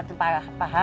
ini tidak ada apa apa